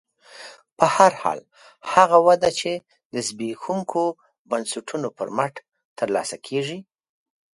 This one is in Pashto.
په هر حال هغه وده چې د زبېښونکو بنسټونو پر مټ ترلاسه کېږي